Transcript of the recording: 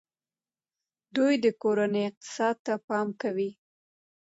دوی د کورنۍ اقتصاد ته پام کوي.